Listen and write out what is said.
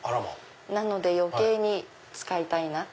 なので余計に使いたいなと。